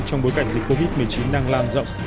trong bối cảnh dịch covid một mươi chín đang lan rộng